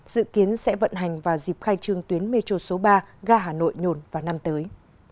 dự kiến sẽ vận hành vào dịp khai trương tuyến metro số ba ga hà nội nhồn vào năm tới